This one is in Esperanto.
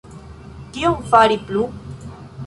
Kion fari plu?